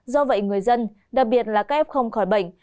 do vậy người dân đặc biệt là các em không khỏi bệnh